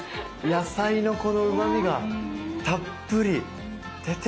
野菜のこのうまみがたっぷり出てますね。